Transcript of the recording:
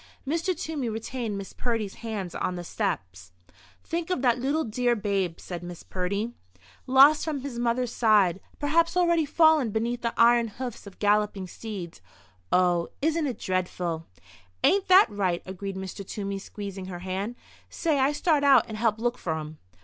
Mr. Toomey retained Miss Purdy's hand on the steps. "Think of that dear little babe," said Miss Purdy, "lost from his mother's side—perhaps already fallen beneath the iron hoofs of galloping steeds—oh, isn't it dreadful?" "Ain't that right?" agreed Mr. Toomey, squeezing her hand. "Say I start out and help look for um!"